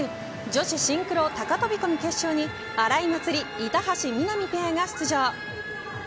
女子シンクロ高飛込決勝に荒井祭里、板橋美波ペアが出場。